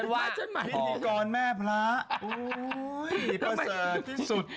โอ๊ยพิธีกรแม่พระโอ๊ยประเสริฐที่สุด